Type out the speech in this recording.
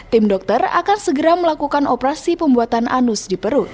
tim dokter akan segera melakukan operasi pembuatan anus di perut